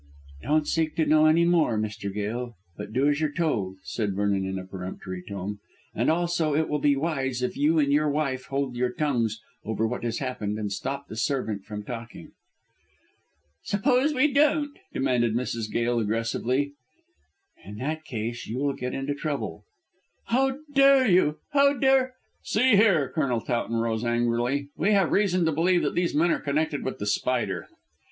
"Don't seek to know any more, Mr. Gail, but do as you are told," said Vernon in a peremptory tone, "and also it will be wise if you and your wife hold your tongues over what has happened and stop the servant from talking." "Suppose we don't?" demanded Mrs. Gail aggressively. "In that case you will get into trouble." "How dare you how dare " "See here!" Colonel Towton rose angrily. "We have reason to believe that these men are connected with The Spider."